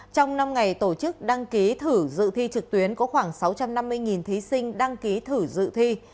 trong năm ngày tổ chức đăng ký thử dự thi trực tuyến có khoảng sáu trăm năm mươi thí sinh đăng ký thử dự thi